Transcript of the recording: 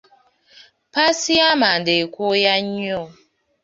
Ppaasi y'amanda ekooya nnyo.